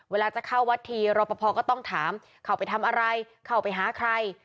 เวลาจะเข้าวัดทีรอปภก็ต้องถามเข้าไปทำอะไรเข้าไปหาใคร